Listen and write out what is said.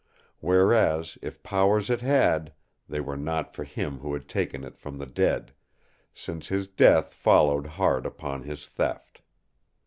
Whereas if powers it had, they were not for him who had taken it from the dead; since his death followed hard upon his theft.